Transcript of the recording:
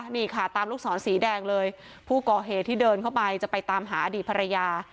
นี่ค่ะตามลูกศรสีแดงเลยผู้ก่อเหตุที่เดินเข้าไปจะไปตามหาอดีตภรรยา